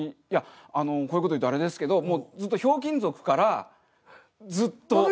いやこういう事言うとあれですけどもうずっと「ひょうきん族」からずっと。